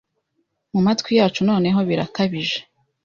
Mu matwi yacu; noneho birakabije